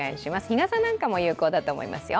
日傘なんかも有効だと思いますよ。